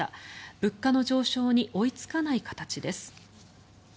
物価の上昇に追いつかない形です。